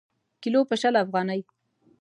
کیلـو په شل افغانۍ.